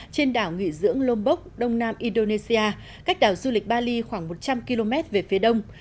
trên đảo nghỉ dưỡng lombok đông nam indonesia cách đảo du lịch bali khoảng một trăm linh km về phía đông